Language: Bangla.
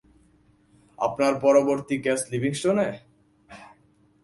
আপনার পরবর্তী কেস লিভিংস্টনে?